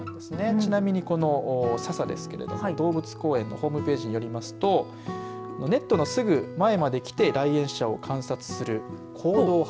ちなみにこのささですけど動物公園のホームページによりますとネットのすぐ前まで来て来園者を観察する行動派。